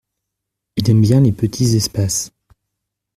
Il aime bien les petits espaces.